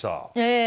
ええ。